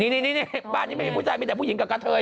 นี่นี่นี่ใช่บ้านนี้ไม่เห็นผู้ชายมีแต่ผู้หญิงกับกะเทย